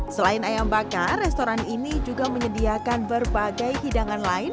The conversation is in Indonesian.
selain ayam bakar restoran ini juga menyediakan berbagai hidangan lain